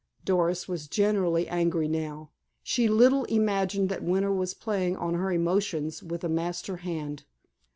Doris was genuinely angry now. She little imagined that Winter was playing on her emotions with a master hand.